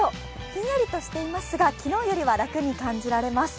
ひんやりとしていますが、昨日よりは楽に感じられます。